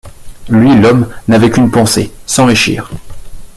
Lui, l’homme, n’avait qu’une pensée: s’enrichir.